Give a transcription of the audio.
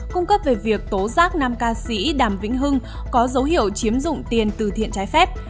cung cấp về việc tố giác nam ca sĩ đàm vĩnh hưng có dấu hiệu chiếm dụng tiền từ thiện trái phép